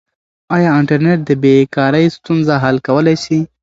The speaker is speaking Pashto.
آیا انټرنیټ د بې کارۍ ستونزه حل کولای سي؟